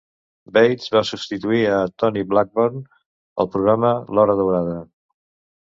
Bates va substituir a Tony Blackburn al programa "L'hora daurada".